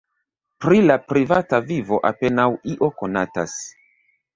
Pri la privata vivo apenaŭ io konatas.